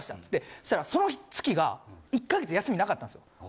つってしたらその月が１か月休みなかったんですよ。